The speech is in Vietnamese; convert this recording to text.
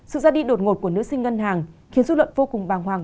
sự ra đi đột ngột của nữ sinh ngân hàng khiến suy luận vô cùng vàng hoàng